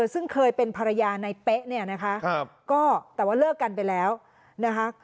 ซึ่งเคยเป็นภรรยาในเป๊ะเนี่ยนะคะก็แต่ว่าเลิกกันไปแล้วนะคะ